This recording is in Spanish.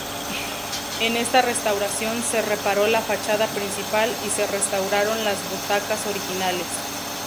En esta restauración se reparó la fachada principal y se restauraron las butacas originales.